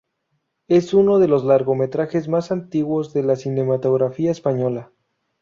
Es uno de los largometrajes más antiguos de la cinematografía española.